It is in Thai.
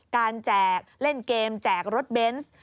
แจกเล่นเกมแจกรถเบนส์